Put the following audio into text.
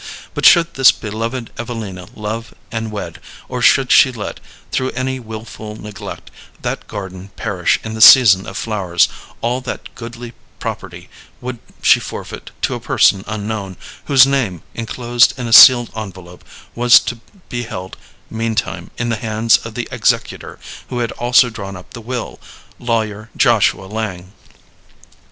But should this beloved Evelina love and wed, or should she let, through any wilful neglect, that garden perish in the season of flowers, all that goodly property would she forfeit to a person unknown, whose name, enclosed in a sealed envelope, was to be held meantime in the hands of the executor, who had also drawn up the will, Lawyer Joshua Lang.